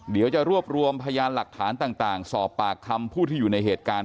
เดี๋ยวจะรวบรวมพยานหลักฐานต่างสอบปากคำผู้ที่อยู่ในเหตุการณ์